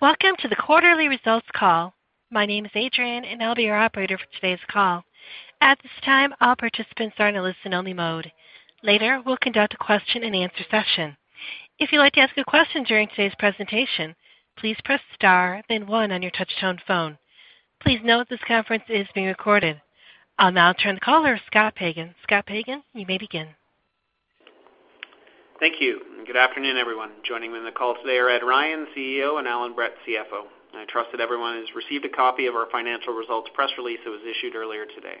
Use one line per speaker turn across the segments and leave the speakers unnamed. Welcome to the quarterly results call. My name is Adrian, and I'll be your operator for today's call. At this time, all participants are in a listen-only mode. Later, we'll conduct a question and answer session. If you'd like to ask a question during today's presentation, please press star then one on your touchtone phone. Please note this conference is being recorded. I'll now turn the call over to Scott Pagan. Scott Pagan, you may begin.
Thank you. Good afternoon, everyone. Joining me on the call today are Ed Ryan, CEO, and Allan Brett, CFO. I trust that everyone has received a copy of our financial results press release that was issued earlier today.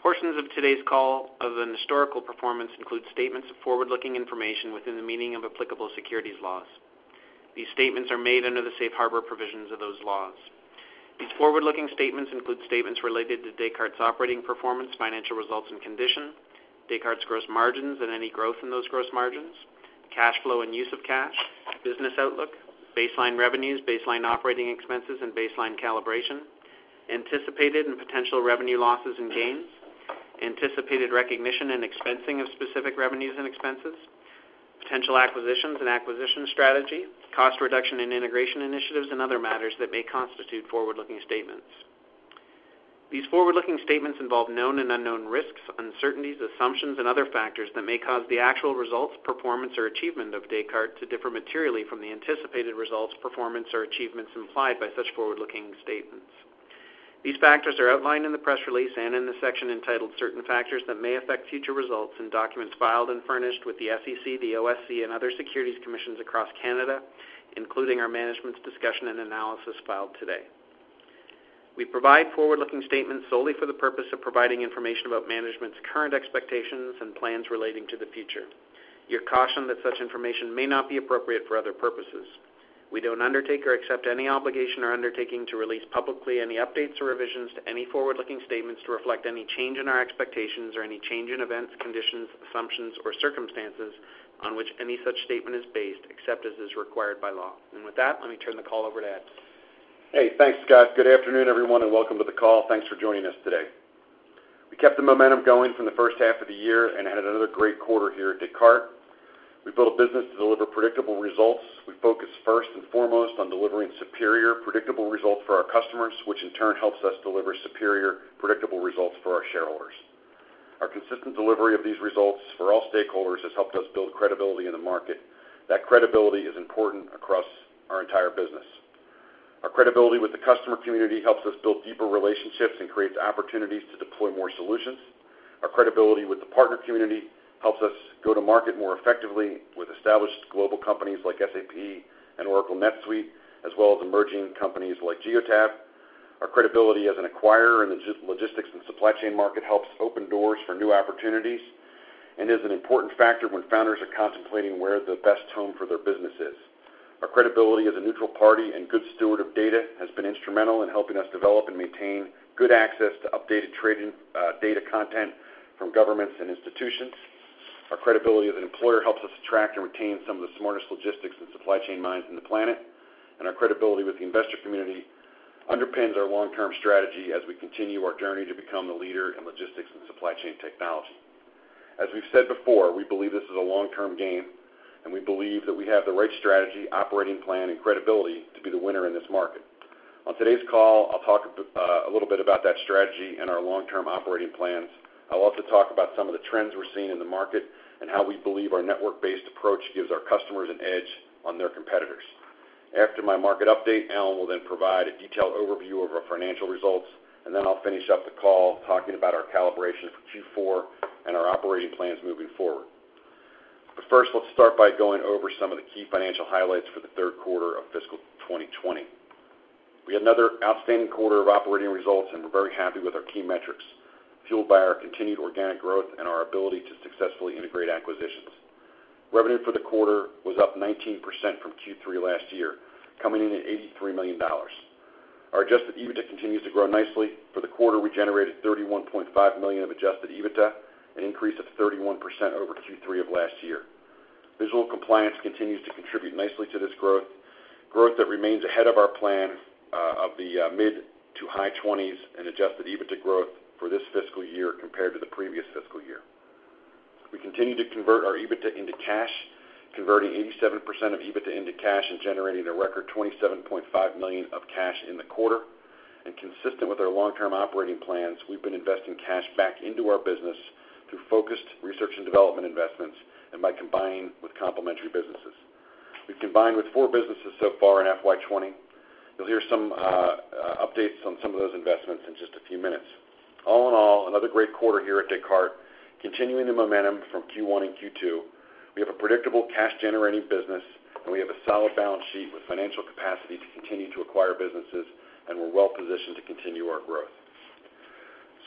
Portions of today's call of the historical performance include statements of forward-looking information within the meaning of applicable securities laws. These statements are made under the safe harbor provisions of those laws. These forward-looking statements include statements related to Descartes' operating performance, financial results and condition, Descartes' gross margins and any growth in those gross margins, cash flow and use of cash, business outlook, baseline revenues, baseline operating expenses and baseline calibration, anticipated and potential revenue losses and gains, anticipated recognition and expensing of specific revenues and expenses, potential acquisitions and acquisition strategy, cost reduction and integration initiatives and other matters that may constitute forward-looking statements. These forward-looking statements involve known and unknown risks, uncertainties, assumptions, and other factors that may cause the actual results, performance, or achievement of Descartes to differ materially from the anticipated results, performance, or achievements implied by such forward-looking statements. These factors are outlined in the press release and in the section entitled Certain Factors That May Affect Future Results in documents filed and furnished with the SEC, the OSC and other securities commissions across Canada, including our management's discussion and analysis filed today. We provide forward-looking statements solely for the purpose of providing information about management's current expectations and plans relating to the future. You're cautioned that such information may not be appropriate for other purposes. We don't undertake or accept any obligation or undertaking to release publicly any updates or revisions to any forward-looking statements to reflect any change in our expectations or any change in events, conditions, assumptions, or circumstances on which any such statement is based, except as is required by law. With that, let me turn the call over to Ed.
Hey, thanks, Scott. Good afternoon, everyone, and welcome to the call. Thanks for joining us today. We kept the momentum going from the first half of the year and had another great quarter here at Descartes. We built a business to deliver predictable results. We focus first and foremost on delivering superior, predictable results for our customers, which in turn helps us deliver superior, predictable results for our shareholders. Our consistent delivery of these results for all stakeholders has helped us build credibility in the market. That credibility is important across our entire business. Our credibility with the customer community helps us build deeper relationships and creates opportunities to deploy more solutions. Our credibility with the partner community helps us go to market more effectively with established global companies like SAP and Oracle NetSuite, as well as emerging companies like Geotab. Our credibility as an acquirer in the logistics and supply chain market helps open doors for new opportunities and is an important factor when founders are contemplating where the best home for their business is. Our credibility as a neutral party and good steward of data has been instrumental in helping us develop and maintain good access to updated trading data content from governments and institutions. Our credibility as an employer helps us attract and retain some of the smartest logistics and supply chain minds in the planet. Our credibility with the investor community underpins our long-term strategy as we continue our journey to become the leader in logistics and supply chain technology. As we've said before, we believe this is a long-term game, and we believe that we have the right strategy, operating plan, and credibility to be the winner in this market. On today's call, I'll talk a little bit about that strategy and our long-term operating plans. I'll also talk about some of the trends we're seeing in the market and how we believe our network-based approach gives our customers an edge on their competitors. After my market update, Allan will then provide a detailed overview of our financial results, and then I'll finish up the call talking about our calibration for Q4 and our operating plans moving forward. First, let's start by going over some of the key financial highlights for the third quarter of fiscal 2020. We had another outstanding quarter of operating results, and we're very happy with our key metrics, fueled by our continued organic growth and our ability to successfully integrate acquisitions. Revenue for the quarter was up 19% from Q3 last year, coming in at $83 million. Our adjusted EBITDA continues to grow nicely. For the quarter, we generated $31.5 million of adjusted EBITDA, an increase of 31% over Q3 of last year. Visual Compliance continues to contribute nicely to this growth that remains ahead of our plan of the mid-to-high 20s in adjusted EBITDA growth for this fiscal year compared to the previous fiscal year. We continue to convert our EBITDA into cash, converting 87% of EBITDA into cash and generating a record $27.5 million of cash in the quarter. Consistent with our long-term operating plans, we've been investing cash back into our business through focused research and development investments and by combining with complementary businesses. We've combined with four businesses so far in FY 2020. You'll hear some updates on some of those investments in just a few minutes. All in all, another great quarter here at Descartes, continuing the momentum from Q1 and Q2. We have a predictable cash-generating business, and we have a solid balance sheet with financial capacity to continue to acquire businesses, and we're well positioned to continue our growth.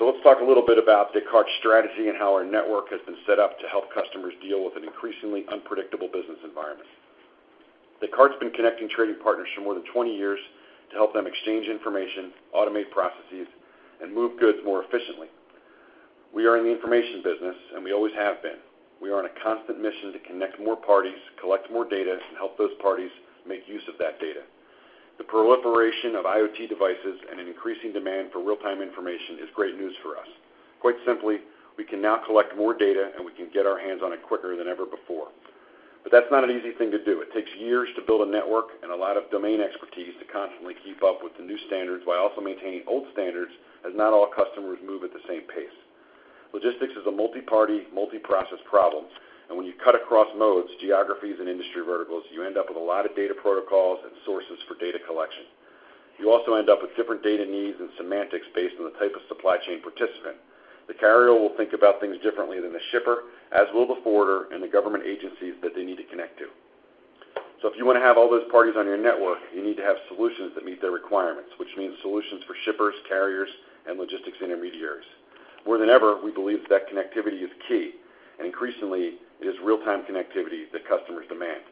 Let's talk a little bit about Descartes' strategy and how our network has been set up to help customers deal with an increasingly unpredictable business environment. Descartes's been connecting trading partners for more than 20 years to help them exchange information, automate processes, and move goods more efficiently. We are in the information business, and we always have been. We are on a constant mission to connect more parties, collect more data, and help those parties make use of that data. The proliferation of IoT devices and an increasing demand for real-time information is great news for us. Quite simply, we can now collect more data, and we can get our hands on it quicker than ever before. That's not an easy thing to do. It takes years to build a network and a lot of domain expertise to constantly keep up with the new standards while also maintaining old standards, as not all customers move at the same pace. Logistics is a multi-party, multi-process problem, and when you cut across modes, geographies, and industry verticals, you end up with a lot of data protocols and sources for data collection. You also end up with different data needs and semantics based on the type of supply chain participant. The carrier will think about things differently than the shipper, as will the forwarder and the government agencies that they need to connect to. If you want to have all those parties on your network, you need to have solutions that meet their requirements, which means solutions for shippers, carriers, and logistics intermediaries. More than ever, we believe that connectivity is key, and increasingly, it is real-time connectivity that customers demand.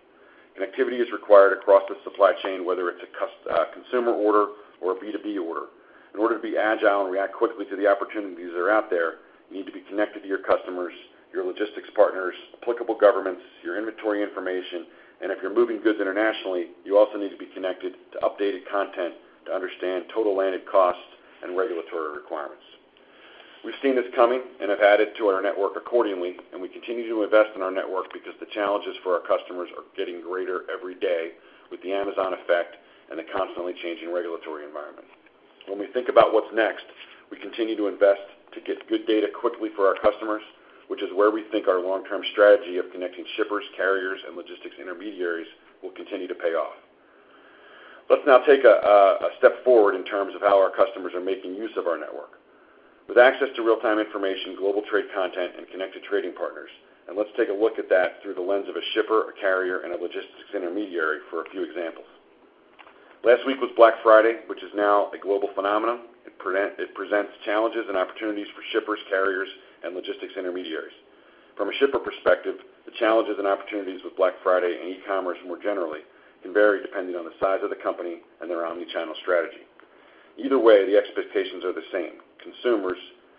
Connectivity is required across the supply chain, whether it's a consumer order or a B2B order. In order to be agile and react quickly to the opportunities that are out there, you need to be connected to your customers, your logistics partners, applicable governments, your inventory information, and if you're moving goods internationally, you also need to be connected to updated content to understand total landed cost and regulatory requirements. We've seen this coming and have added to our network accordingly, and we continue to invest in our network because the challenges for our customers are getting greater every day with the Amazon effect and the constantly changing regulatory environment. When we think about what's next, we continue to invest to get good data quickly for our customers, which is where we think our long-term strategy of connecting shippers, carriers, and logistics intermediaries will continue to pay off. Let's now take a step forward in terms of how our customers are making use of our network. With access to real-time information, global trade content, and connected trading partners, let's take a look at that through the lens of a shipper, a carrier, and a logistics intermediary for a few examples. Last week was Black Friday, which is now a global phenomenon. It presents challenges and opportunities for shippers, carriers, and logistics intermediaries. From a shipper perspective, the challenges and opportunities with Black Friday and e-commerce more generally can vary depending on the size of the company and their omni-channel strategy. Either way, the expectations are the same. Consumers,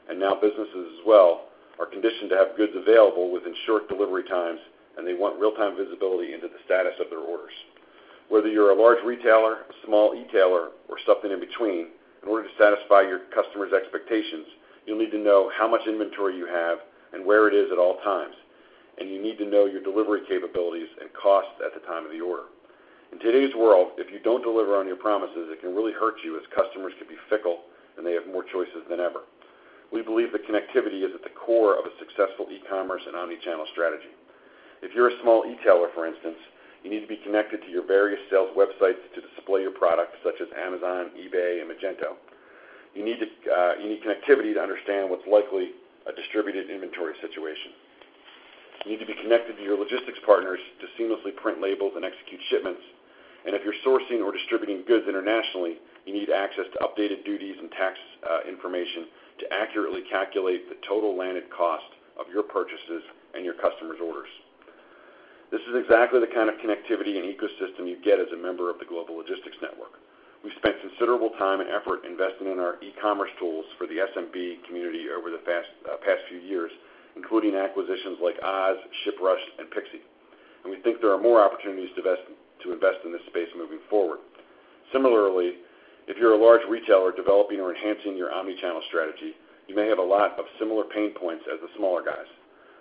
and now businesses as well, are conditioned to have goods available within short delivery times, and they want real-time visibility into the status of their orders. Whether you're a large retailer, a small e-tailer, or something in between, in order to satisfy your customers' expectations, you'll need to know how much inventory you have and where it is at all times, and you need to know your delivery capabilities and costs at the time of the order. In today's world, if you don't deliver on your promises, it can really hurt you as customers can be fickle, and they have more choices than ever. We believe that connectivity is at the core of a successful e-commerce and omni-channel strategy. If you're a small e-tailer, for instance, you need to be connected to your various sales websites to display your products, such as Amazon, eBay, and Magento. You need connectivity to understand what's likely a distributed inventory situation. You need to be connected to your logistics partners to seamlessly print labels and execute shipments. If you're sourcing or distributing goods internationally, you need access to updated duties and tax information to accurately calculate the total landed cost of your purchases and your customers' orders. This is exactly the kind of connectivity and ecosystem you get as a member of the Global Logistics Network. We've spent considerable time and effort investing in our e-commerce tools for the SMB community over the past few years, including acquisitions like Oz, ShipRush, and pixi, and we think there are more opportunities to invest in this space moving forward. Similarly, if you're a large retailer developing or enhancing your omni-channel strategy, you may have a lot of similar pain points as the smaller guys,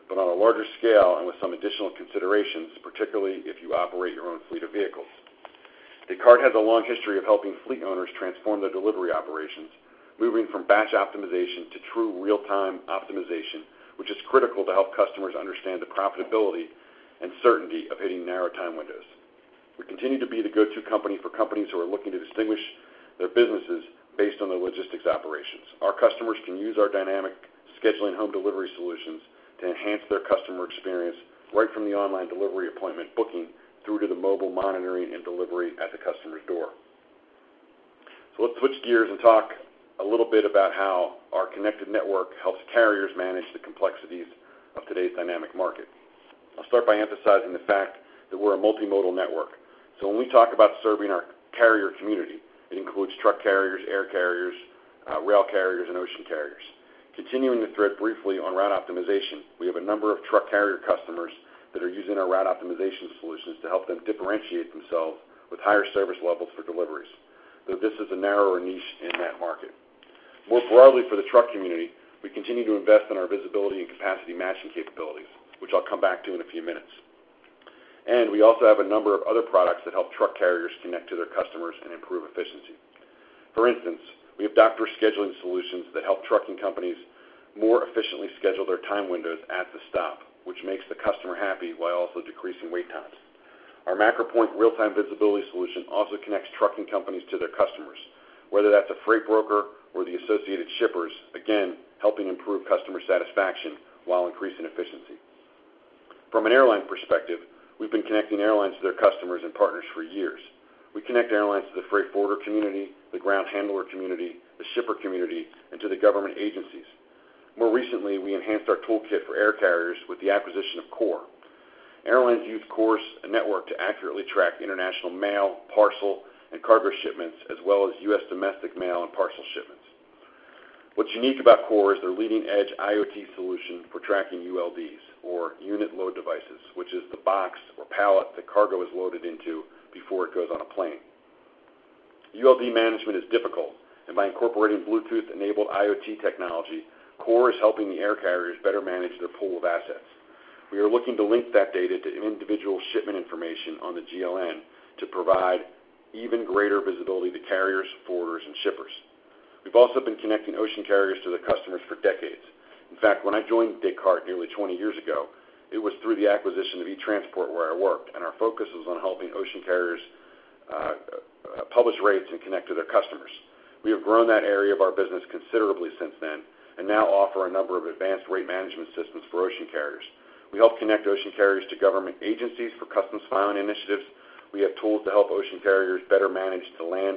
but on a larger scale and with some additional considerations, particularly if you operate your own fleet of vehicles. Descartes has a long history of helping fleet owners transform their delivery operations, moving from batch optimization to true real-time optimization, which is critical to help customers understand the profitability and certainty of hitting narrow time windows. We continue to be the go-to company for companies who are looking to distinguish their businesses based on their logistics operations. Our customers can use our dynamic scheduling home delivery solutions to enhance their customer experience, right from the online delivery appointment booking through to the mobile monitoring and delivery at the customer's door. Let's switch gears and talk a little bit about how our connected network helps carriers manage the complexities of today's dynamic market. I'll start by emphasizing the fact that we're a multimodal network. When we talk about serving our carrier community, it includes truck carriers, air carriers, rail carriers, and ocean carriers. Continuing the thread briefly on route optimization, we have a number of truck carrier customers that are using our route optimization solutions to help them differentiate themselves with higher service levels for deliveries, though this is a narrower niche in that market. More broadly for the truck community, we continue to invest in our visibility and capacity matching capabilities, which I'll come back to in a few minutes. We also have a number of other products that help truck carriers connect to their customers and improve efficiency. For instance, we have doctor scheduling solutions that help trucking companies more efficiently schedule their time windows at the stop, which makes the customer happy while also decreasing wait times. Our MacroPoint real-time visibility solution also connects trucking companies to their customers, whether that's a freight broker or the associated shippers, again, helping improve customer satisfaction while increasing efficiency. From an airline perspective, we've been connecting airlines to their customers and partners for years. We connect airlines to the freight forwarder community, the ground handler community, the shipper community, and to the government agencies. More recently, we enhanced our toolkit for air carriers with the acquisition of CORE. Airlines use CORE's network to accurately track international mail, parcel, and cargo shipments, as well as U.S. domestic mail and parcel shipments. What's unique about CORE is their leading-edge IoT solution for tracking ULDs or unit load devices, which is the box or pallet that cargo is loaded into before it goes on a plane. ULD management is difficult. By incorporating Bluetooth-enabled IoT technology, CORE is helping the air carriers better manage their pool of assets. We are looking to link that data to individual shipment information on the GLN to provide even greater visibility to carriers, forwarders, and shippers. We've also been connecting ocean carriers to their customers for decades. In fact, when I joined Descartes nearly 20 years ago, it was through the acquisition of E-Transport, where I worked, and our focus was on helping ocean carriers publish rates and connect to their customers. We have grown that area of our business considerably since then, and now offer a number of advanced rate management systems for ocean carriers. We help connect ocean carriers to government agencies for customs filing initiatives. We have tools to help ocean carriers better manage the land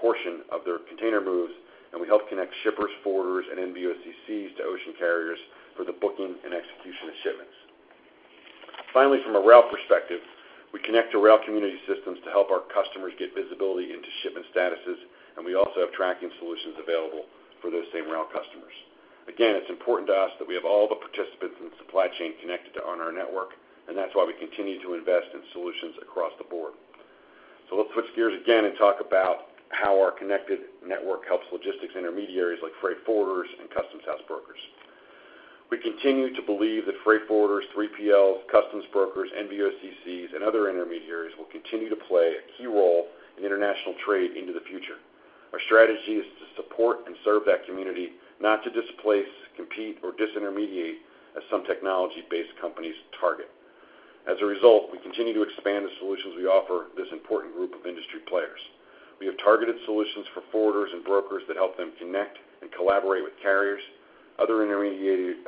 portion of their container moves, and we help connect shippers, forwarders, and NVOCCs to ocean carriers for the booking and execution of shipments. Finally, from a rail perspective, we connect to rail community systems to help our customers get visibility into shipment statuses, and we also have tracking solutions available for those same rail customers. Again, it's important to us that we have all the participants in the supply chain connected on our network, and that's why we continue to invest in solutions across the board. Let's switch gears again and talk about how our connected network helps logistics intermediaries like freight forwarders and customs house brokers. We continue to believe that freight forwarders, 3PLs, customs brokers, NVOCCs, and other intermediaries will continue to play a key role in international trade into the future. Our strategy is to support and serve that community, not to displace, compete, or disintermediate as some technology-based companies target. As a result, we continue to expand the solutions we offer this important group of industry players. We have targeted solutions for forwarders and brokers that help them connect and collaborate with carriers, other intermediaries,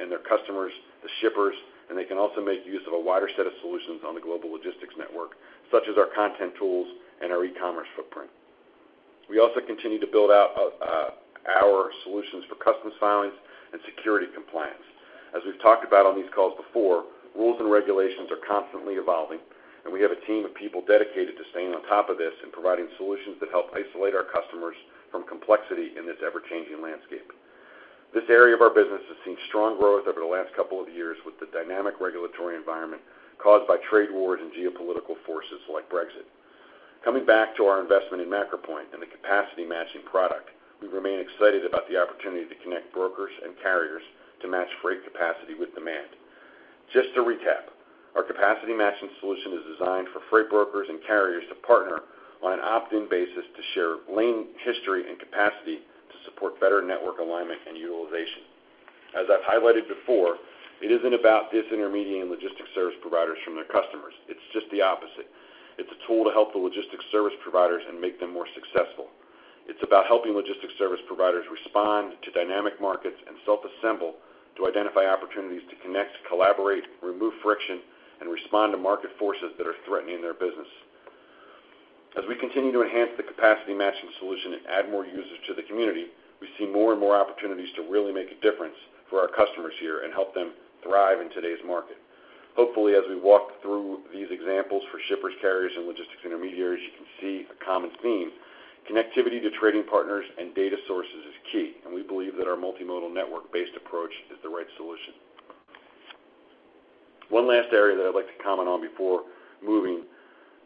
and their customers, the shippers, and they can also make use of a wider set of solutions on the Global Logistics Network, such as our content tools and our e-commerce footprint. We also continue to build out our solutions for customs filings and security compliance. As we've talked about on these calls before, rules and regulations are constantly evolving, and we have a team of people dedicated to staying on top of this and providing solutions that help isolate our customers from complexity in this ever-changing landscape. This area of our business has seen strong growth over the last couple of years with the dynamic regulatory environment caused by trade wars and geopolitical forces like Brexit. Coming back to our investment in MacroPoint and the capacity matching product, we remain excited about the opportunity to connect brokers and carriers to match freight capacity with demand. Just to recap, our capacity matching solution is designed for freight brokers and carriers to partner on an opt-in basis to share lane history and capacity to support better network alignment and utilization. As I've highlighted before, it isn't about disintermediating logistics service providers from their customers. It's just the opposite. It's a tool to help the logistics service providers and make them more successful. It's about helping logistics service providers respond to dynamic markets and self-assemble to identify opportunities to connect, collaborate, remove friction, and respond to market forces that are threatening their business. As we continue to enhance the capacity matching solution and add more users to the community, we see more and more opportunities to really make a difference for our customers here and help them thrive in today's market. Hopefully, as we walk through these examples for shippers, carriers, and logistics intermediaries, you can see a common theme. Connectivity to trading partners and data sources is key, and we believe that our multimodal network-based approach is the right solution. One last area that I'd like to comment on before moving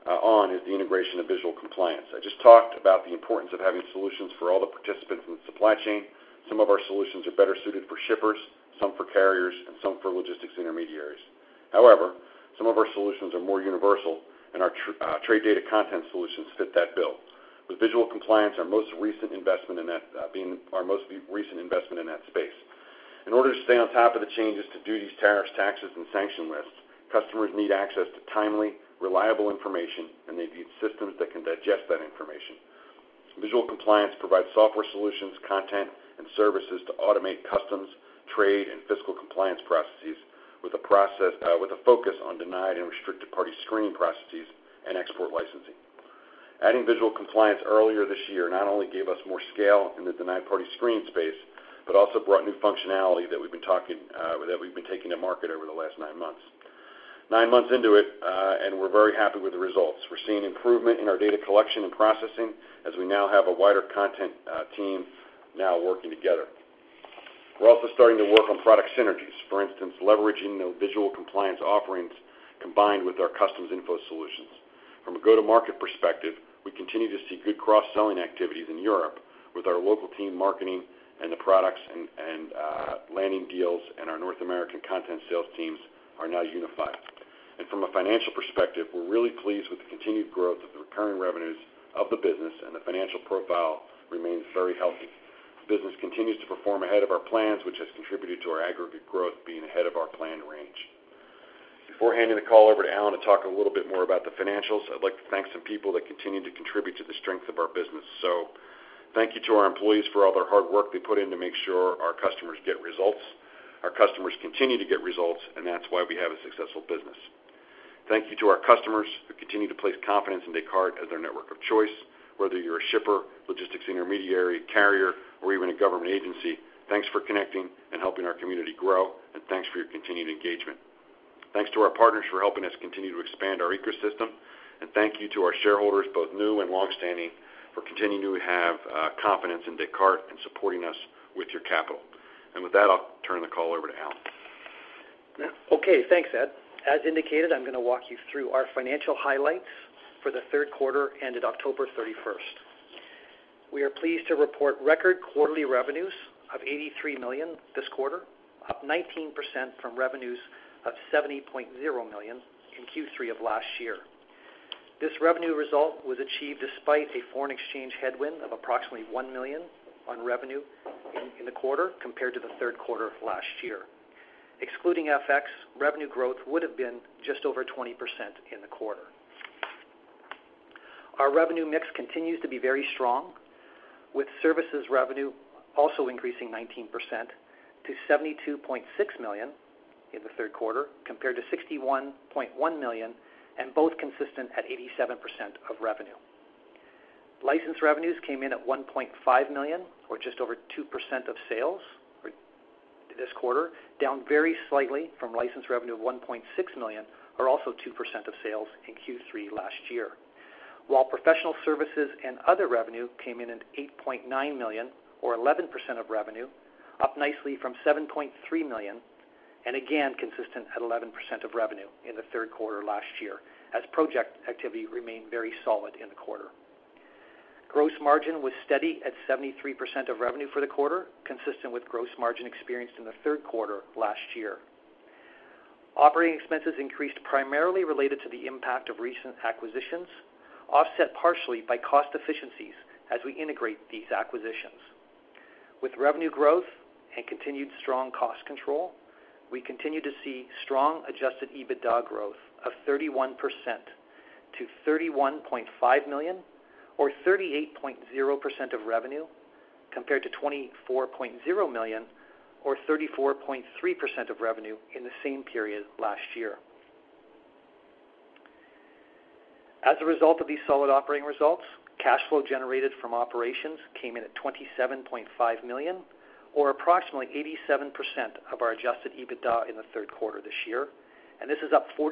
on is the integration of Visual Compliance. I just talked about the importance of having solutions for all the participants in the supply chain. Some of our solutions are better suited for shippers, some for carriers, and some for logistics intermediaries. However, some of our solutions are more universal, and our trade data content solutions fit that bill, with Visual Compliance our most recent investment in that space. In order to stay on top of the changes to duties, tariffs, taxes, and sanction lists, customers need access to timely, reliable information, and they need systems that can digest that information. Visual Compliance provides software solutions, content, and services to automate customs, trade, and fiscal compliance processes with a focus on denied and restricted party screening processes and export licensing. Adding Visual Compliance earlier this year not only gave us more scale in the denied party screen space, but also brought new functionality that we've been taking to market over the last 9 months. 9 months into it, we're very happy with the results. We're seeing improvement in our data collection and processing as we now have a wider content team now working together. We're also starting to work on product synergies. For instance, leveraging the Visual Compliance offerings combined with our Customs Info solutions. From a go-to-market perspective, we continue to see good cross-selling activities in Europe with our local team marketing and the products and landing deals, and our North American content sales teams are now unified. From a financial perspective, we're really pleased with the continued growth of the recurring revenues of the business and the financial profile remains very healthy. The business continues to perform ahead of our plans, which has contributed to our aggregate growth being ahead of our planned range. Before handing the call over to Allan to talk a little bit more about the financials, I'd like to thank some people that continue to contribute to the strength of our business. Thank you to our employees for all their hard work they put in to make sure our customers get results. Our customers continue to get results, and that's why we have a successful business. Thank you to our customers who continue to place confidence in Descartes as their network of choice, whether you're a shipper, logistics intermediary, carrier, or even a government agency. Thanks for connecting and helping our community grow. Thanks for your continued engagement. Thanks to our partners for helping us continue to expand our ecosystem, thank you to our shareholders, both new and longstanding, for continuing to have confidence in Descartes and supporting us with your capital. With that, I'll turn the call over to Allan.
Okay. Thanks, Ed. As indicated, I'm going to walk you through our financial highlights for the third quarter ended October 31st. We are pleased to report record quarterly revenues of $83 million this quarter, up 19% from revenues of $70.0 million in Q3 of last year. This revenue result was achieved despite a foreign exchange headwind of approximately $1 million on revenue in the quarter compared to the third quarter of last year. Excluding FX, revenue growth would've been just over 20% in the quarter. Our revenue mix continues to be very strong, with services revenue also increasing 19% to $72.6 million in the third quarter, compared to $61.1 million, and both consistent at 87% of revenue. License revenues came in at $1.5 million or just over 2% of sales for this quarter, down very slightly from license revenue of $1.6 million, or also 2% of sales in Q3 last year. While professional services and other revenue came in at $8.9 million or 11% of revenue, up nicely from $7.3 million, and again, consistent at 11% of revenue in the third quarter last year, as project activity remained very solid in the quarter. Gross margin was steady at 73% of revenue for the quarter, consistent with gross margin experienced in the third quarter of last year. Operating expenses increased primarily related to the impact of recent acquisitions, offset partially by cost efficiencies as we integrate these acquisitions. With revenue growth and continued strong cost control, we continue to see strong adjusted EBITDA growth of 31% to $31.5 million or 38.0% of revenue, compared to $24.0 million or 34.3% of revenue in the same period last year. As a result of these solid operating results, cash flow generated from operations came in at $27.5 million, or approximately 87% of our adjusted EBITDA in the third quarter this year. This is up 43%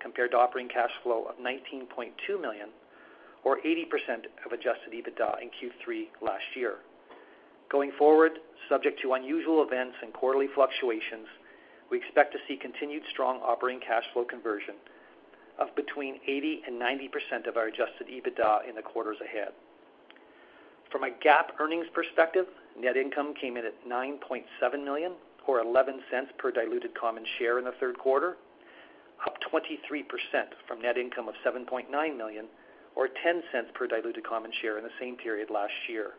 compared to operating cash flow of $19.2 million, or 80% of adjusted EBITDA in Q3 last year. Going forward, subject to unusual events and quarterly fluctuations, we expect to see continued strong operating cash flow conversion of between 80% and 90% of our adjusted EBITDA in the quarters ahead. From a GAAP earnings perspective, net income came in at $9.7 million or $0.11 per diluted common share in the third quarter, up 23% from net income of $7.9 million or $0.10 per diluted common share in the same period last year.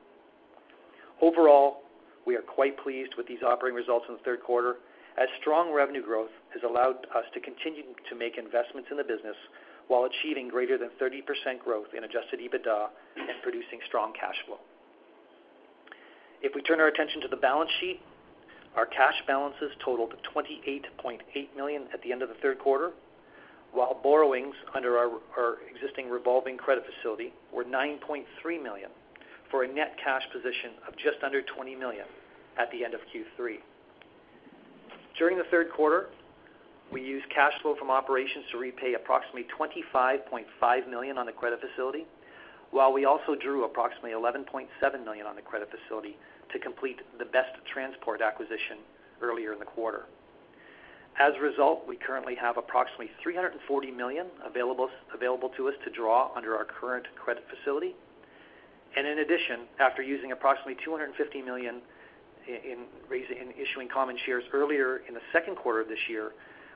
Overall, we are quite pleased with these operating results in the third quarter, as strong revenue growth has allowed us to continue to make investments in the business while achieving greater than 30% growth in adjusted EBITDA and producing strong cash flow. If we turn our attention to the balance sheet, our cash balances totaled $28.8 million at the end of the third quarter, while borrowings under our existing revolving credit facility were $9.3 million, for a net cash position of just under $20 million at the end of Q3. During the third quarter, we used cash flow from operations to repay approximately $25.5 million on the credit facility, while we also drew approximately $11.7 million on the credit facility to complete the BestTransport acquisition earlier in the quarter. As a result, we currently have approximately $340 million available to us to draw under our current credit facility. In addition, after using approximately $250 million in issuing common shares earlier in the second quarter of this year,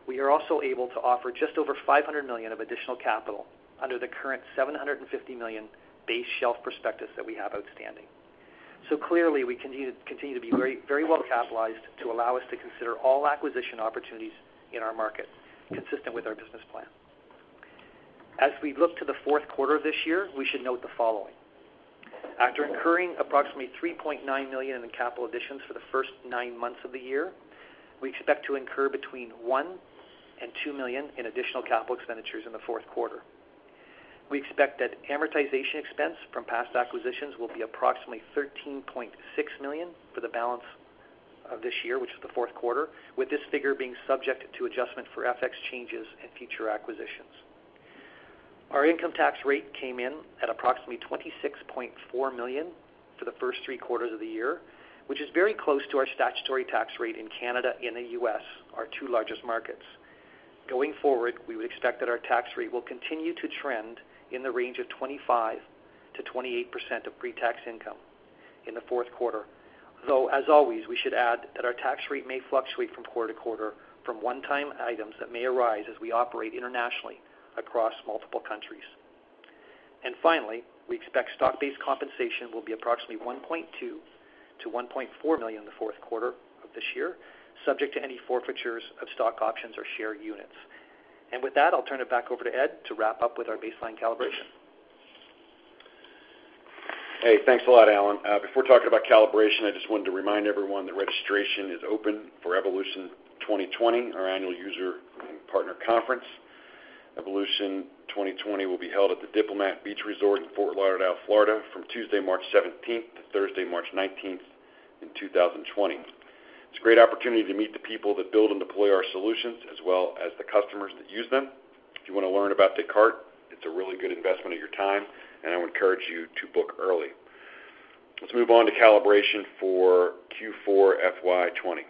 we are also able to offer just over $500 million of additional capital under the current $750 million base shelf prospectus that we have outstanding. Clearly, we continue to be very well capitalized to allow us to consider all acquisition opportunities in our market consistent with our business plan. As we look to the fourth quarter of this year, we should note the following. After incurring approximately $3.9 million in capital additions for the first nine months of the year, we expect to incur between $1 million and $2 million in additional capital expenditures in the fourth quarter. We expect that amortization expense from past acquisitions will be approximately $13.6 million for the balance of this year, which is the fourth quarter, with this figure being subject to adjustment for FX changes and future acquisitions. Our income tax rate came in at approximately $26.4 million for the first three quarters of the year, which is very close to our statutory tax rate in Canada and the U.S., our two largest markets. Going forward, we would expect that our tax rate will continue to trend in the range of 25%-28% of pre-tax income in the fourth quarter. Though, as always, we should add that our tax rate may fluctuate from quarter to quarter from one-time items that may arise as we operate internationally across multiple countries. Finally, we expect stock-based compensation will be approximately $1.2 million-$1.4 million in the fourth quarter of this year, subject to any forfeitures of stock options or share units. With that, I'll turn it back over to Ed to wrap up with our baseline calibration.
Hey, thanks a lot, Allan. Before talking about calibration, I just wanted to remind everyone that registration is open for Evolution 2020, our annual user and partner conference. Evolution 2020 will be held at the Diplomat Beach Resort in Fort Lauderdale, Florida from Tuesday, March 17th to Thursday, March 19th in 2020. It's a great opportunity to meet the people that build and deploy our solutions as well as the customers that use them. If you want to learn about Descartes, it's a really good investment of your time, and I would encourage you to book early. Let's move on to calibration for Q4 FY 2020.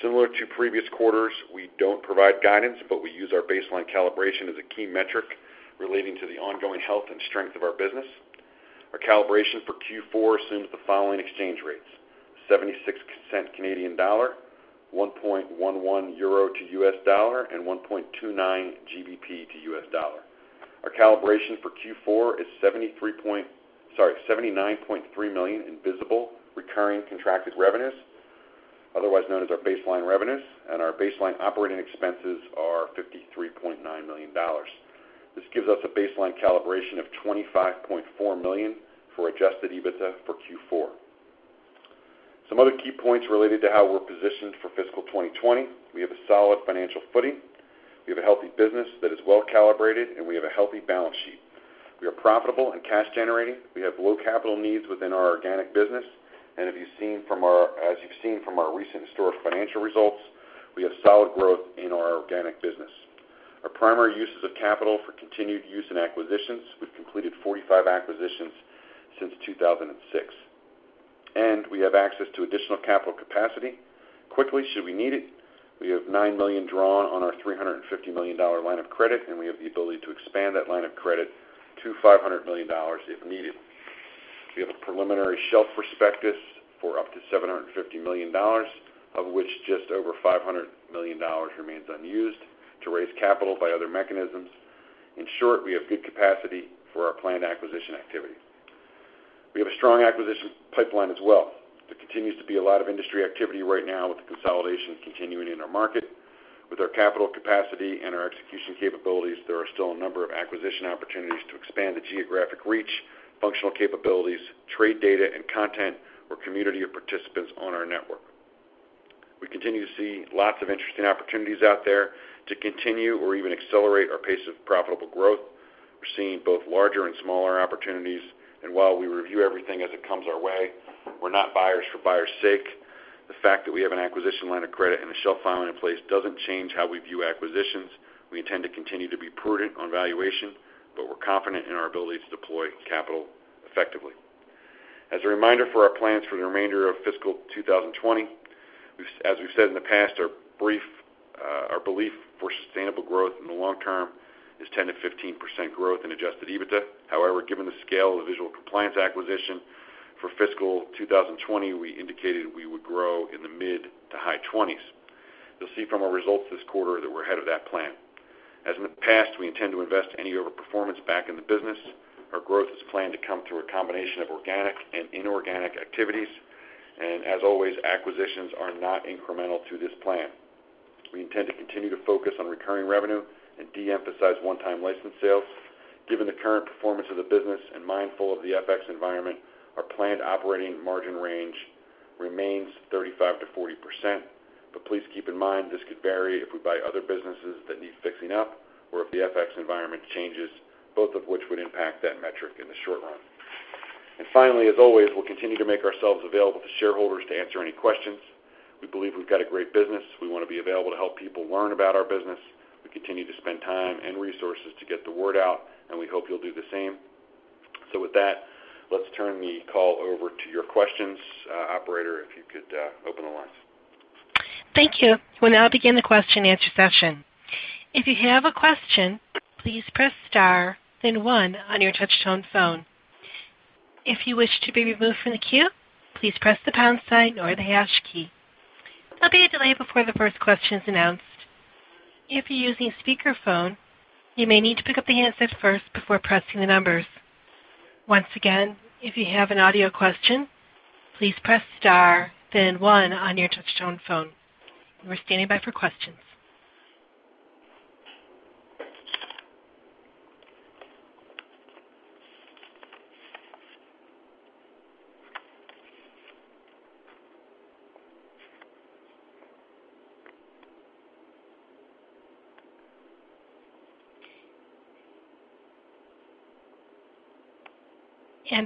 Similar to previous quarters, we don't provide guidance, but we use our baseline calibration as a key metric relating to the ongoing health and strength of our business. Our calibration for Q4 assumes the following exchange rates: 0.76, EUR 1.11 to USD, and GBP 1.29 to USD. Our calibration for Q4 is $79.3 million in visible recurring contracted revenues, otherwise known as our baseline revenues, and our baseline operating expenses are $53.9 million. This gives us a baseline calibration of $25.4 million for adjusted EBITDA for Q4. Some other key points related to how we're positioned for fiscal 2020. We have a solid financial footing. We have a healthy business that is well-calibrated, and we have a healthy balance sheet. We are profitable and cash-generating. We have low capital needs within our organic business. As you've seen from our recent historic financial results, we have solid growth in our organic business. Our primary uses of capital for continued use and acquisitions. We've completed 45 acquisitions since 2006. We have access to additional capital capacity quickly should we need it. We have $9 million drawn on our $350 million line of credit. We have the ability to expand that line of credit to $500 million if needed. We have a preliminary shelf prospectus for up to $750 million, of which just over $500 million remains unused to raise capital by other mechanisms. In short, we have good capacity for our planned acquisition activity. We have a strong acquisition pipeline as well. There continues to be a lot of industry activity right now with the consolidation continuing in our market. With our capital capacity and our execution capabilities, there are still a number of acquisition opportunities to expand the geographic reach, functional capabilities, trade data, and content or community of participants on our network. We continue to see lots of interesting opportunities out there to continue or even accelerate our pace of profitable growth. We're seeing both larger and smaller opportunities, and while we review everything as it comes our way, we're not buyers for buyers' sake. The fact that we have an acquisition line of credit and a shelf filing in place doesn't change how we view acquisitions. We intend to continue to be prudent on valuation, but we're confident in our ability to deploy capital effectively. As a reminder for our plans for the remainder of fiscal 2020, as we've said in the past, our belief for sustainable growth in the long term is 10%-15% growth in adjusted EBITDA. However, given the scale of the Visual Compliance acquisition for fiscal 2020, we indicated we would grow in the mid-to-high 20s. You'll see from our results this quarter that we're ahead of that plan. As in the past, we intend to invest any over-performance back in the business. Our growth is planned to come through a combination of organic and inorganic activities. As always, acquisitions are not incremental to this plan. We intend to continue to focus on recurring revenue and de-emphasize one-time license sales. Given the current performance of the business and mindful of the FX environment, our planned operating margin range remains 35%-40%. Please keep in mind, this could vary if we buy other businesses that need fixing up or if the FX environment changes, both of which would impact that metric in the short run. Finally, as always, we'll continue to make ourselves available to shareholders to answer any questions. We believe we've got a great business. We want to be available to help people learn about our business. We continue to spend time and resources to get the word out, we hope you'll do the same. With that, let's turn the call over to your questions. Operator, if you could open the lines.
Thank you. We'll now begin the question and answer session. If you have a question, please press star then one on your touch-tone phone. If you wish to be removed from the queue, please press the pound sign or the hash key. There'll be a delay before the first question is announced. If you're using speakerphone, you may need to pick up the handset first before pressing the numbers. Once again, if you have an audio question, please press star then one on your touch-tone phone. We're standing by for questions.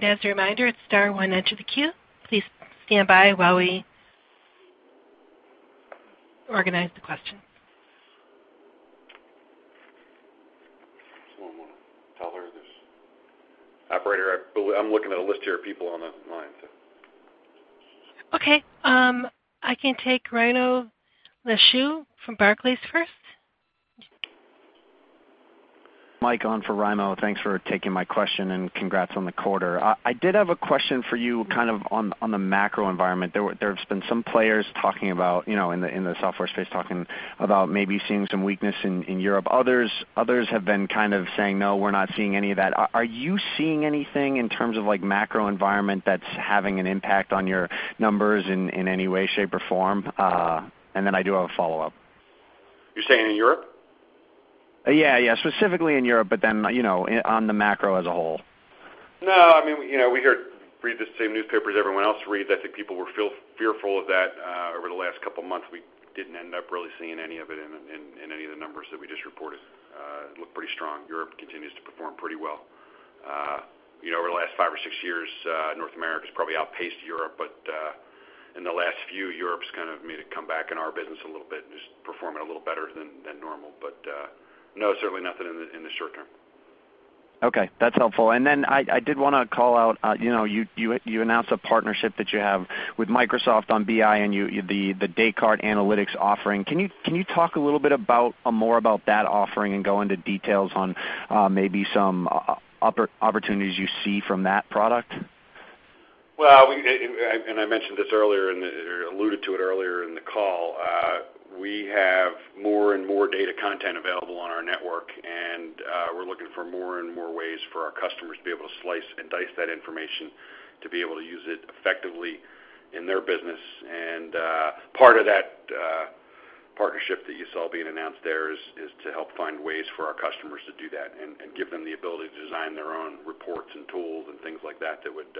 As a reminder, it's star one to enter the queue. Please stand by while we organize the questions.
Just one moment. Tell her there's Operator, I'm looking at a list here of people on the line, so.
Okay. I can take Raimo Lenschow from Barclays first.
Mike on for Raimo. Thanks for taking my question and congrats on the quarter. I did have a question for you on the macro environment. There's been some players talking about, in the software space, talking about maybe seeing some weakness in Europe. Others have been saying, "No, we're not seeing any of that." Are you seeing anything in terms of macro environment that's having an impact on your numbers in any way, shape, or form? Then I do have a follow-up.
You're saying in Europe?
Yeah. Specifically in Europe, but then, on the macro as a whole.
No, we read the same newspaper as everyone else reads. I think people were fearful of that over the last couple of months. We didn't end up really seeing any of it in any of the numbers that we just reported. It looked pretty strong. Europe continues to perform pretty well. Over the last five or six years, North America has probably outpaced Europe. In the last few, Europe has kind of made a comeback in our business a little bit and is performing a little better than normal. No, certainly nothing in the short term.
Okay. That's helpful. I did want to call out, you announced a partnership that you have with Microsoft on BI and the Descartes Analytics offering. Can you talk a little bit more about that offering and go into details on maybe some opportunities you see from that product?
Well, I mentioned this earlier or alluded to it earlier in the call, we have more and more data content available on our network, and we're looking for more and more ways for our customers to be able to slice and dice that information to be able to use it effectively in their business. Part of that partnership that you saw being announced there is to help find ways for our customers to do that and give them the ability to design their own reports and tools and things like that would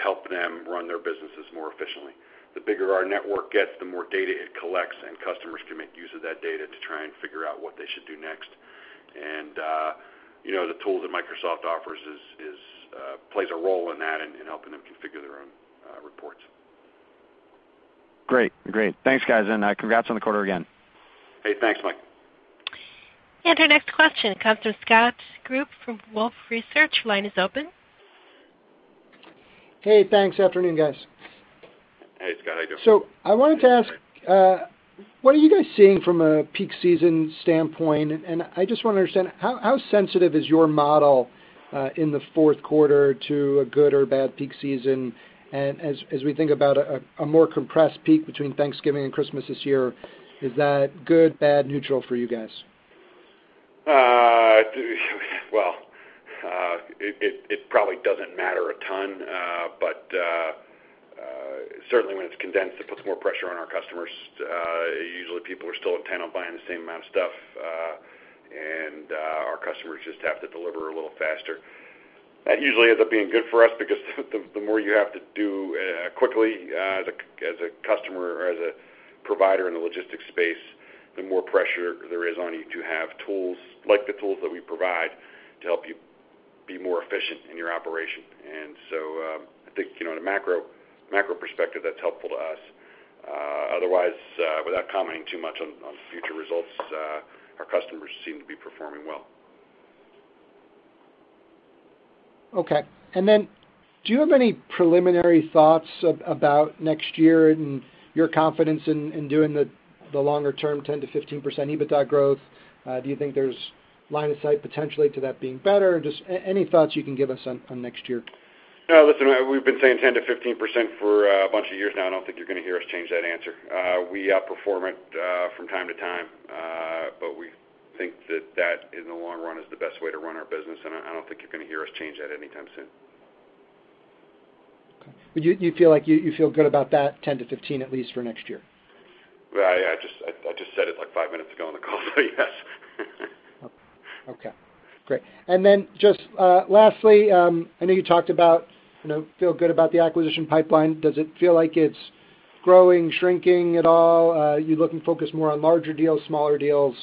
help them run their businesses more efficiently. The bigger our network gets, the more data it collects, and customers can make use of that data to try and figure out what they should do next. The tools that Microsoft offers plays a role in that, in helping them configure their own reports.
Great. Thanks, guys. Congrats on the quarter again.
Hey, thanks, Mike.
Our next question comes from Scott Group from Wolfe Research. Line is open.
Hey, thanks. Afternoon, guys.
Hey, Scott. How you doing?
I wanted to ask, what are you guys seeing from a peak season standpoint? I just want to understand, how sensitive is your model in the fourth quarter to a good or bad peak season? As we think about a more compressed peak between Thanksgiving and Christmas this year, is that good, bad, neutral for you guys?
Well, it probably doesn't matter a ton. Certainly when it's condensed, it puts more pressure on our customers. Usually, people are still intent on buying the same amount of stuff. Our customers just have to deliver a little faster. That usually ends up being good for us, because the more you have to do quickly as a customer or as a provider in the logistics space, the more pressure there is on you to have tools like the tools that we provide to help you be more efficient in your operation. I think in a macro perspective, that's helpful to us. Otherwise, without commenting too much on future results, our customers seem to be performing well.
Okay. Do you have any preliminary thoughts about next year and your confidence in doing the longer-term 10%-15% EBITDA growth? Do you think there's line of sight potentially to that being better? Just any thoughts you can give us on next year?
Listen, we've been saying 10%-15% for a bunch of years now. I don't think you're going to hear us change that answer. We outperform it from time to time, but we think that that, in the long run, is the best way to run our business, and I don't think you're going to hear us change that anytime soon.
Okay. You feel like you feel good about that 10%-15%, at least for next year?
Well, I just said it like five minutes ago on the call, so yes.
Okay, great. Just lastly, I know you talked about feeling good about the acquisition pipeline. Does it feel like it's growing, shrinking at all? Are you looking to focus more on larger deals, smaller deals?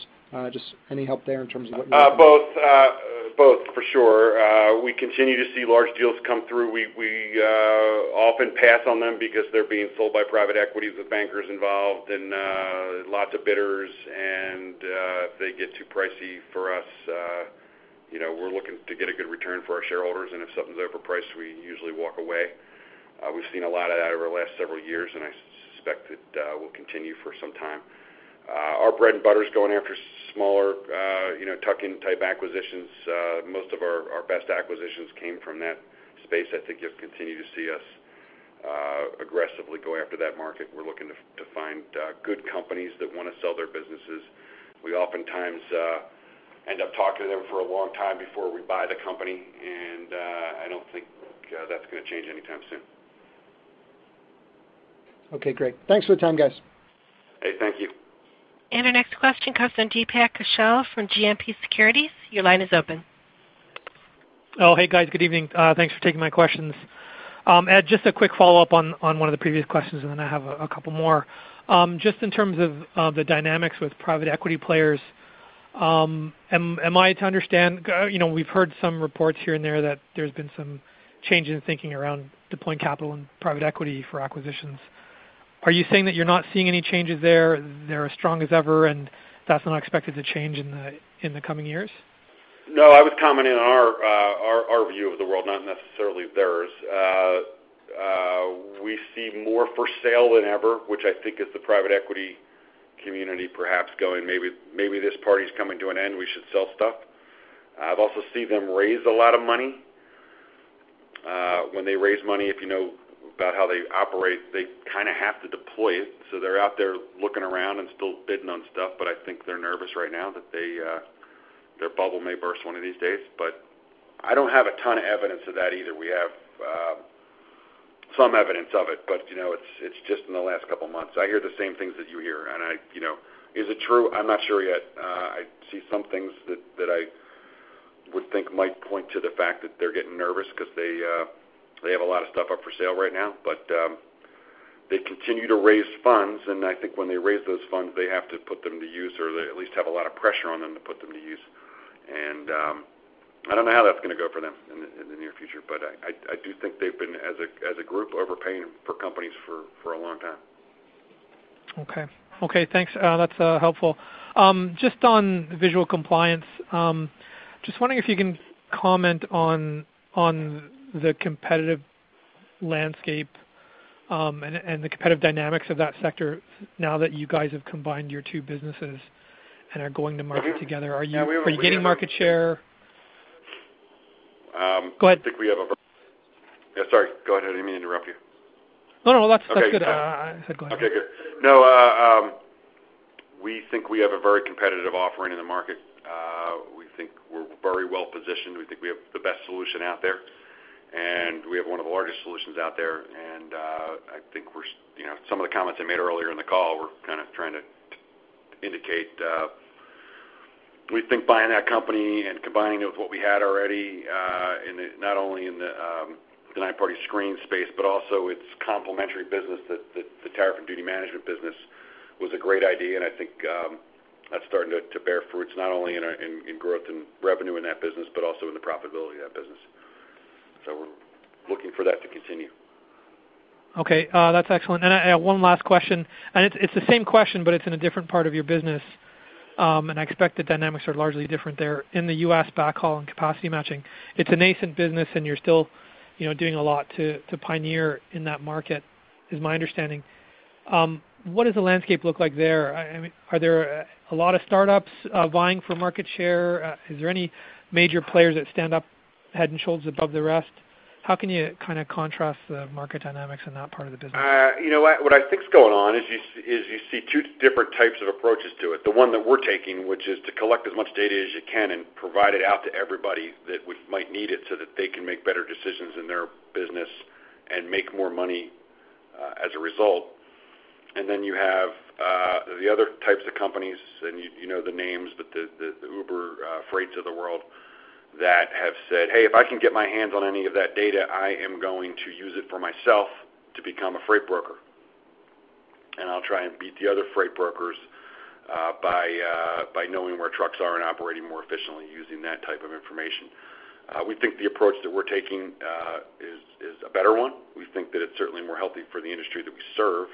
Both, for sure. We continue to see large deals come through. We often pass on them because they're being sold by private equity. There's bankers involved and lots of bidders, and if they get too pricey for us, we're looking to get a good return for our shareholders, and if something's overpriced, we usually walk away. We've seen a lot of that over the last several years, and I suspect it will continue for some time. Our bread and butter is going after smaller tuck-in type acquisitions. Most of our best acquisitions came from that space. I think you'll continue to see us aggressively go after that market. We're looking to find good companies that want to sell their businesses. We oftentimes end up talking to them for a long time before we buy the company, and I don't think that's going to change anytime soon.
Okay, great. Thanks for the time, guys.
Hey, thank you.
Our next question comes from Deepak Kaushal from GMP Securities. Your line is open.
Oh, hey guys, good evening. Thanks for taking my questions. Ed, just a quick follow-up on one of the previous questions, and then I have a couple more. Just in terms of the dynamics with private equity players, am I to understand, we've heard some reports here and there that there's been some change in thinking around deploying capital and private equity for acquisitions. Are you saying that you're not seeing any changes there, they're as strong as ever, and that's not expected to change in the coming years?
No, I was commenting on our view of the world, not necessarily theirs. We see more for sale than ever, which I think is the private equity community perhaps going, "Maybe this party's coming to an end. We should sell stuff." I've also seen them raise a lot of money. When they raise money, if you know about how they operate, they kind of have to deploy it. So they're out there looking around and still bidding on stuff, but I think they're nervous right now that their bubble may burst one of these days. I don't have a ton of evidence of that either. We have some evidence of it, but it's just in the last couple of months. I hear the same things that you hear, is it true? I'm not sure yet. I see some things that I would think might point to the fact that they're getting nervous because they have a lot of stuff up for sale right now. They continue to raise funds, and I think when they raise those funds, they have to put them to use, or they at least have a lot of pressure on them to put them to use. I don't know how that's going to go for them in the near future, but I do think they've been, as a group, overpaying for companies for a long time.
Okay. Thanks. That's helpful. Just on Visual Compliance, just wondering if you can comment on the competitive landscape and the competitive dynamics of that sector now that you guys have combined your two businesses and are going to market together. Are you gaining market share? Go ahead.
Yeah, sorry. Go ahead. I didn't mean to interrupt you.
No, that's good. Go ahead.
Okay, good. No, we think we have a very competitive offering in the market. We think we're very well-positioned. We think we have the best solution out there, and we have one of the largest solutions out there. I think some of the comments I made earlier in the call were kind of trying to indicate we think buying that company and combining it with what we had already, not only in the third-party screen space, but also its complementary business, the tariff and duty management business, was a great idea. I think that's starting to bear fruits not only in growth and revenue in that business but also in the profitability of that business. We're looking for that to continue.
Okay. That's excellent. I have one last question, and it's the same question, but it's in a different part of your business, and I expect the dynamics are largely different there. In the U.S. backhaul and capacity matching, it's a nascent business, and you're still doing a lot to pioneer in that market, is my understanding. What does the landscape look like there? Are there a lot of startups vying for market share? Is there any major players that stand up head and shoulders above the rest? How can you kind of contrast the market dynamics in that part of the business?
What I think is going on is you see two different types of approaches to it. The one that we're taking, which is to collect as much data as you can and provide it out to everybody that might need it so that they can make better decisions in their business and make more money as a result. You have the other types of companies, and you know the names, but the Uber Freight of the world that have said, "Hey, if I can get my hands on any of that data, I am going to use it for myself to become a freight broker. I'll try and beat the other freight brokers by knowing where trucks are and operating more efficiently using that type of information." We think the approach that we're taking is a better one. We think that it's certainly more healthy for the industry that we serve.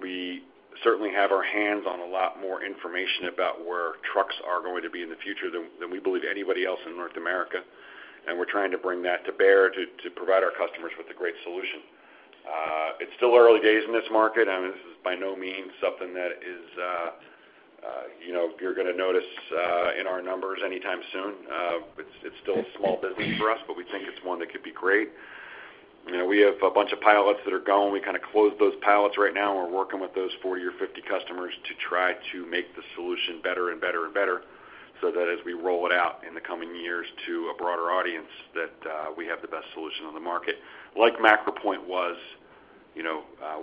We certainly have our hands on a lot more information about where trucks are going to be in the future than we believe anybody else in North America. We're trying to bring that to bear to provide our customers with a great solution. It's still early days in this market. This is by no means something that you're going to notice in our numbers anytime soon. It's still a small business for us. We think it's one that could be great. We have a bunch of pilots that are going. We kind of closed those pilots right now. We're working with those 40 or 50 customers to try to make the solution better and better, so that as we roll it out in the coming years to a broader audience, that we have the best solution on the market. Like MacroPoint was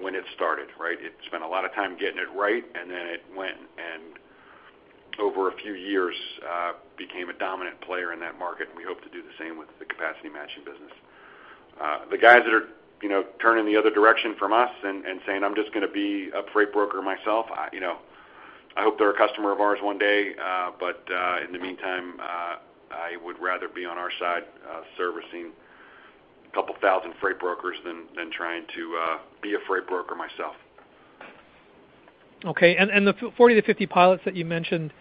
when it started, right? It spent a lot of time getting it right, and then it went, and over a few years, became a dominant player in that market. We hope to do the same with the capacity matching business. The guys that are turning the other direction from us and saying, "I'm just going to be a freight broker myself," I hope they're a customer of ours one day. In the meantime, I would rather be on our side servicing a 2,000 freight brokers than trying to be a freight broker myself.
Okay. The 40-50 pilots that you mentioned,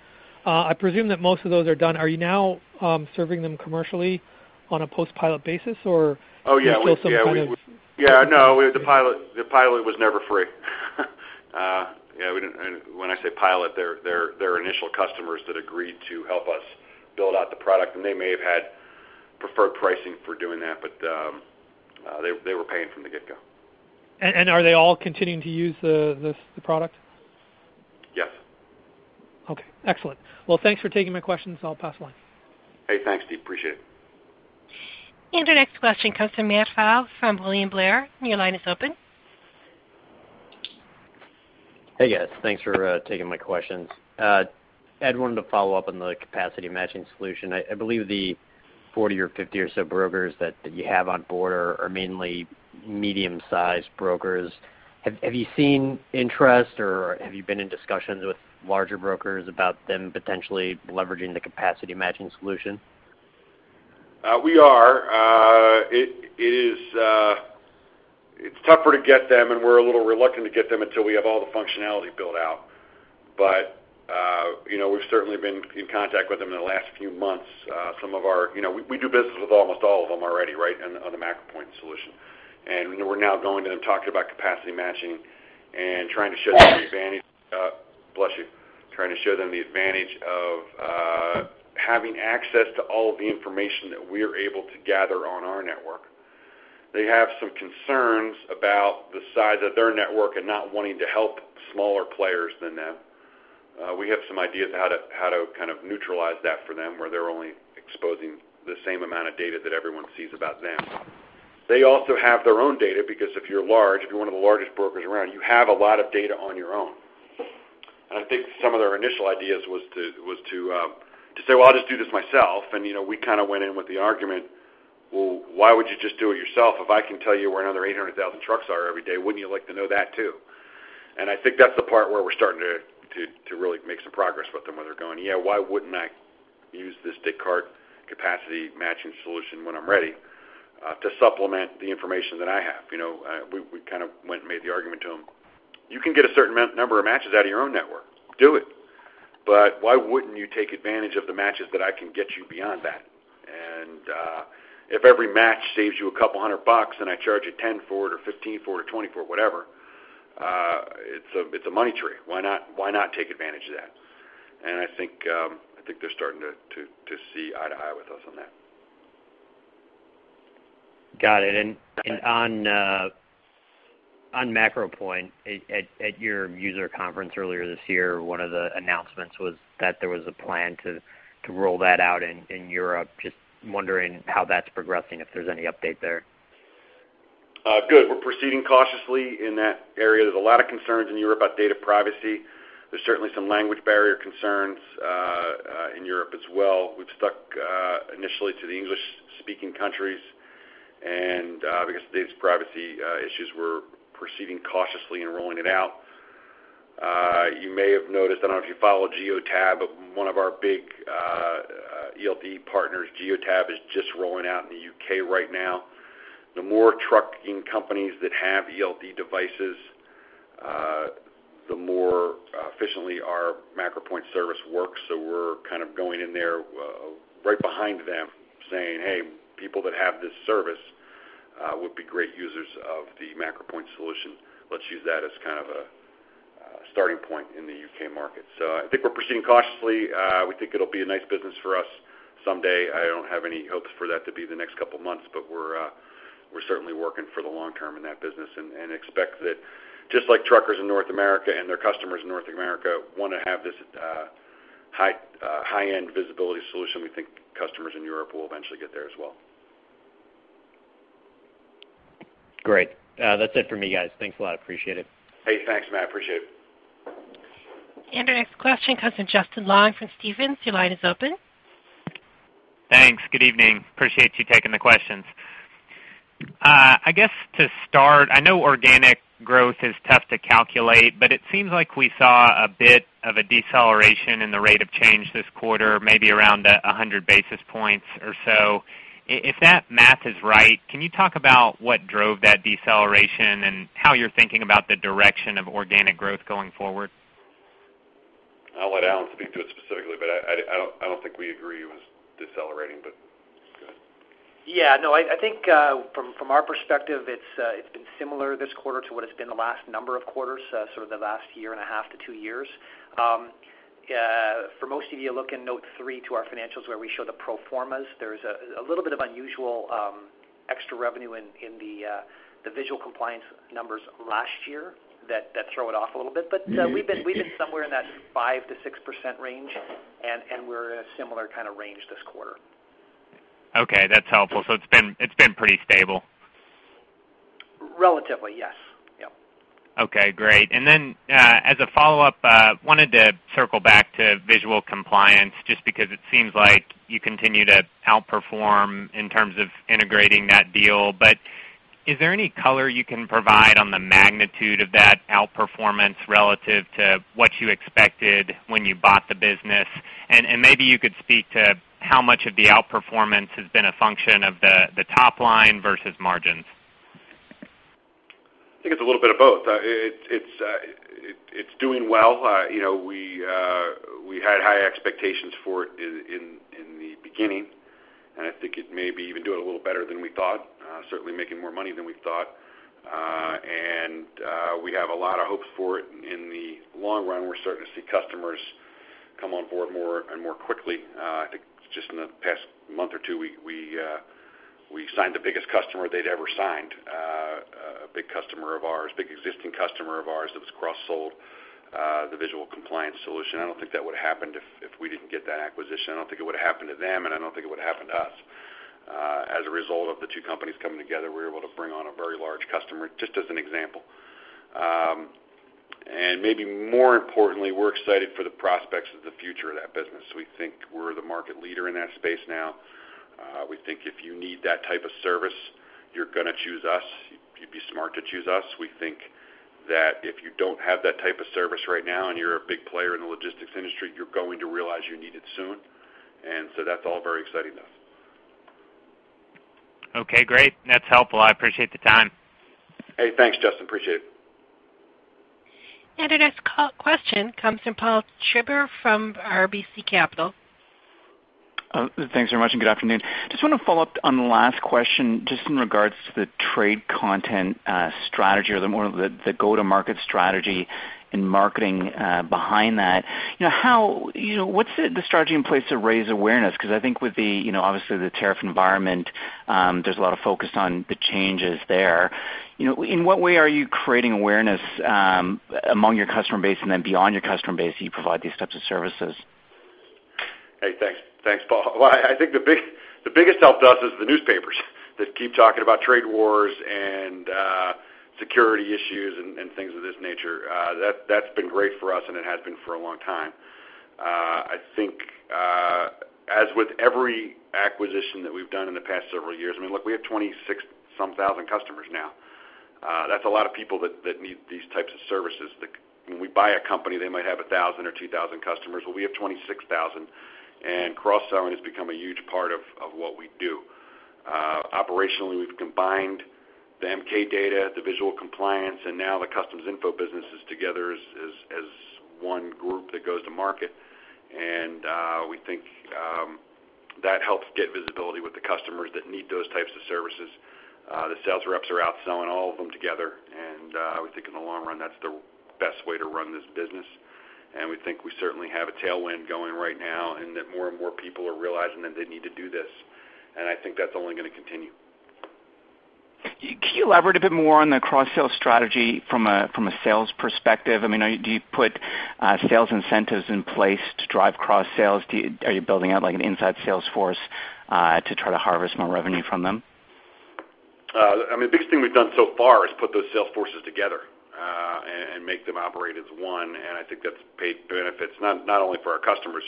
I presume that most of those are done. Are you now serving them commercially on a post-pilot basis?
Oh, yeah.
is it still some kind of-
Yeah, no, the pilot was never free. When I say pilot, they're initial customers that agreed to help us build out the product, and they may have had preferred pricing for doing that, but they were paying from the get-go.
Are they all continuing to use the product?
Yes.
Okay, excellent. Well, thanks for taking my questions. I'll pass the line.
Hey, thanks, Steve. Appreciate it.
Our next question comes from Matt Pfau from William Blair. Your line is open.
Hey, guys. Thanks for taking my questions. Ed, I wanted to follow up on the capacity matching solution. I believe the 40 or 50 or so brokers that you have on board are mainly medium-sized brokers. Have you seen interest, or have you been in discussions with larger brokers about them potentially leveraging the capacity matching solution?
We are. It's tougher to get them, and we're a little reluctant to get them until we have all the functionality built out. We've certainly been in contact with them in the last few months. We do business with almost all of them already on the MacroPoint solution. We're now going to them talking about capacity matching and trying to show them the advantage of having access to all of the information that we're able to gather on our network. They have some concerns about the size of their network and not wanting to help smaller players than them. We have some ideas how to kind of neutralize that for them, where they're only exposing the same amount of data that everyone sees about them. They also have their own data, because if you're large, if you're one of the largest brokers around, you have a lot of data on your own. I think some of their initial ideas was to say, "Well, I'll just do this myself." We kind of went in with the argument, "Well, why would you just do it yourself if I can tell you where another 800,000 trucks are every day?" Wouldn't you like to know that, too? I think that's the part where we're starting to really make some progress with them, where they're going, "Yeah, why wouldn't I use this Descartes capacity matching solution when I'm ready to supplement the information that I have?" We kind of went and made the argument to them, "You can get a certain number of matches out of your own network. Do it. Why wouldn't you take advantage of the matches that I can get you beyond that? If every match saves you a couple hundred bucks and I charge you $10 for it, or $15 for it, or 20 for it, whatever, it's a money tree. Why not take advantage of that? I think they're starting to see eye to eye with us on that.
Got it. On MacroPoint, at your user conference earlier this year, one of the announcements was that there was a plan to roll that out in Europe. Just wondering how that's progressing, if there's any update there?
Good. We're proceeding cautiously in that area. There's a lot of concerns in Europe about data privacy. There's certainly some language barrier concerns in Europe as well. We've stuck initially to the English-speaking countries. Because of data privacy issues, we're proceeding cautiously in rolling it out. You may have noticed, I don't know if you follow Geotab, but one of our big ELD partners, Geotab, is just rolling out in the U.K. right now. The more trucking companies that have ELD devices, the more efficiently our MacroPoint service works. We're kind of going in there right behind them saying, "Hey, people that have this service would be great users of the MacroPoint solution. Let's use that as kind of a starting point in the U.K. market." I think we're proceeding cautiously. We think it'll be a nice business for us someday. I don't have any hopes for that to be the next couple of months, but we're certainly working for the long term in that business and expect that just like truckers in North America and their customers in North America want to have this high-end visibility solution, we think customers in Europe will eventually get there as well.
Great. That's it for me, guys. Thanks a lot. Appreciate it.
Hey, thanks, Matt. Appreciate it.
Our next question comes from Justin Long from Stephens. Your line is open.
Thanks. Good evening. Appreciate you taking the questions. I guess to start, I know organic growth is tough to calculate, but it seems like we saw a bit of a deceleration in the rate of change this quarter, maybe around 100 basis points or so. If that math is right, can you talk about what drove that deceleration and how you're thinking about the direction of organic growth going forward?
I'll let Allan speak to it specifically, but I don't think we agree it was decelerating, but go ahead.
Yeah, no, I think from our perspective, it has been similar this quarter to what it has been the last number of quarters, sort of the last one and a half to two years. For most of you, look in note three to our financials where we show the pro formas. There is a little bit of unusual extra revenue in the Visual Compliance numbers last year that throw it off a little bit. We have been somewhere in that 5%-6% range, and we are in a similar kind of range this quarter.
Okay, that's helpful. It's been pretty stable.
Relatively, yes. Yep.
Okay, great. As a follow-up, wanted to circle back to Visual Compliance just because it seems like you continue to outperform in terms of integrating that deal. Is there any color you can provide on the magnitude of that outperformance relative to what you expected when you bought the business? Maybe you could speak to how much of the outperformance has been a function of the top line versus margins.
I think it's a little bit of both. It's doing well. We had high expectations for it in the beginning. I think it may be even doing a little better than we thought. Certainly making more money than we thought. We have a lot of hopes for it in the long run. We're starting to see customers come on board more and more quickly. I think just in the past month or two, we signed the biggest customer they'd ever signed, a big customer of ours, big existing customer of ours that was cross-sold the Visual Compliance solution. I don't think that would happen if we didn't get that acquisition. I don't think it would happen to them. I don't think it would happen to us. As a result of the two companies coming together, we were able to bring on a very large customer, just as an example. Maybe more importantly, we're excited for the prospects of the future of that business. We think we're the market leader in that space now. We think if you need that type of service, you're going to choose us. You'd be smart to choose us. We think that if you don't have that type of service right now and you're a big player in the logistics industry, you're going to realize you need it soon. That's all very exciting to us.
Okay, great. That's helpful. I appreciate the time.
Hey, thanks, Justin. Appreciate it.
Our next question comes from Paul Treiber from RBC Capital.
Thanks very much, and good afternoon. Just want to follow up on the last question, just in regards to the trade content strategy or the go-to-market strategy and marketing behind that. What's the strategy in place to raise awareness? I think with obviously the tariff environment, there's a lot of focus on the changes there. In what way are you creating awareness among your customer base and then beyond your customer base that you provide these types of services?
Hey, thanks, Paul. Well, I think the biggest help to us is the newspapers that keep talking about trade wars and security issues and things of this nature. That's been great for us, and it has been for a long time. I think, as with every acquisition that we've done in the past several years-- Look, we have 26,000 customers now. That's a lot of people that need these types of services. When we buy a company, they might have 1,000 or 2,000 customers. Well, we have 26,000, and cross-selling has become a huge part of what we do. Operationally, we've combined the MK Data, the Visual Compliance, and now the Customs Info businesses together as one group that goes to market. We think that helps get visibility with the customers that need those types of services. The sales reps are out selling all of them together. I would think in the long run, that's the best way to run this business. We think we certainly have a tailwind going right now, and that more and more people are realizing that they need to do this. I think that's only going to continue.
Can you elaborate a bit more on the cross-sell strategy from a sales perspective? Do you put sales incentives in place to drive cross-sales? Are you building out an inside sales force to try to harvest more revenue from them?
The biggest thing we've done so far is put those sales forces together and make them operate as one. I think that's paid benefits, not only for our customers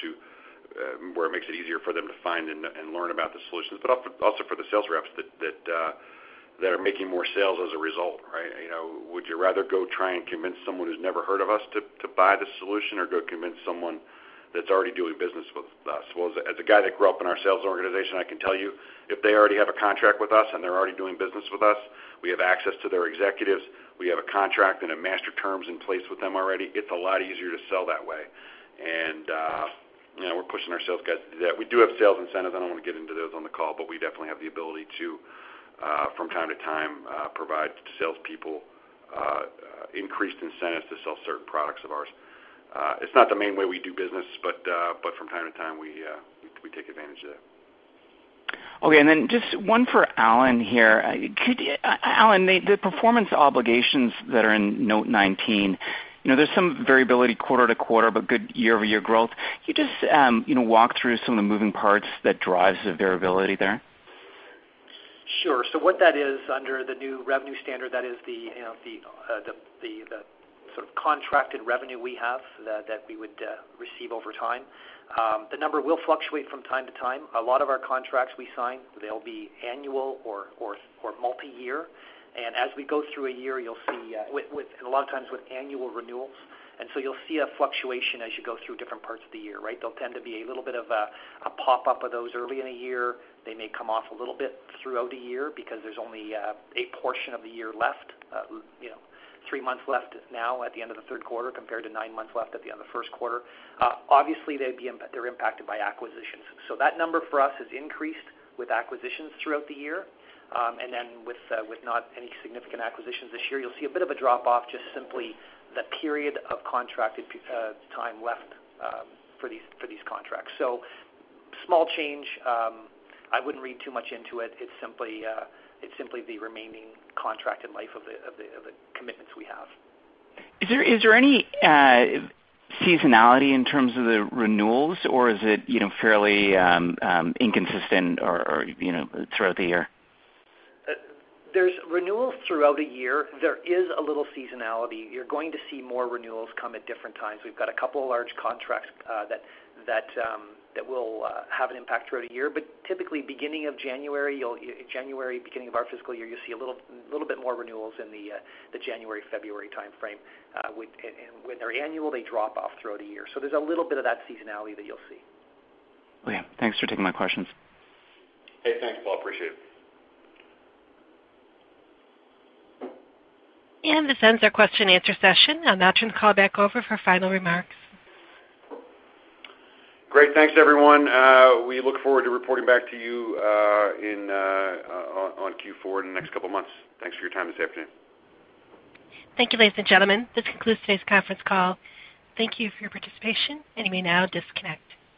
where it makes it easier for them to find and learn about the solutions, but also for the sales reps that are making more sales as a result. Would you rather go try and convince someone who's never heard of us to buy the solution or go convince someone that's already doing business with us? Well, as a guy that grew up in our sales organization, I can tell you, if they already have a contract with us and they're already doing business with us, we have access to their executives. We have a contract and master terms in place with them already. It's a lot easier to sell that way. We're pushing our sales guys to that. We do have sales incentives. I don't want to get into those on the call, but we definitely have the ability to, from time to time, provide salespeople increased incentives to sell certain products of ours. It's not the main way we do business, but from time to time, we take advantage of that.
Just one for Allan here. Allan, the performance obligations that are in Note 19, there's some variability quarter-to-quarter, good year-over-year growth. Can you just walk through some of the moving parts that drives the variability there?
Sure. What that is under the new revenue standard, that is the sort of contracted revenue we have that we would receive over time. The number will fluctuate from time to time. A lot of our contracts we sign, they'll be annual or multi-year. As we go through a year, a lot of times with annual renewals, you'll see a fluctuation as you go through different parts of the year. There'll tend to be a little bit of a pop up of those early in a year. They may come off a little bit throughout a year because there's only a portion of the year left, three months left now at the end of the third quarter compared to nine months left at the end of the first quarter. Obviously, they're impacted by acquisitions. That number for us has increased with acquisitions throughout the year. With not any significant acquisitions this year, you'll see a bit of a drop off, just simply the period of contracted time left for these contracts. Small change. I wouldn't read too much into it. It's simply the remaining contracted life of the commitments we have.
Is there any seasonality in terms of the renewals, or is it fairly inconsistent throughout the year?
There's renewals throughout a year. There is a little seasonality. You're going to see more renewals come at different times. We've got a couple of large contracts that will have an impact throughout a year. Typically, beginning of January, beginning of our fiscal year, you'll see a little bit more renewals in the January, February timeframe. When they're annual, they drop off throughout a year. There's a little bit of that seasonality that you'll see.
Oh, yeah. Thanks for taking my questions.
Hey, thanks, Paul. Appreciate it.
This ends our question and answer session. I'll now turn the call back over for final remarks.
Great, thanks everyone. We look forward to reporting back to you on Q4 in the next couple of months. Thanks for your time this afternoon.
Thank you, ladies and gentlemen. This concludes today's conference call. Thank you for your participation, and you may now disconnect.